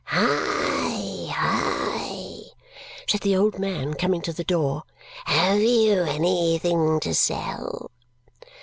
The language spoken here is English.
"Hi, hi!" said the old man, coming to the door. "Have you anything to sell?"